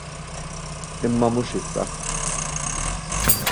Imma mhux issa.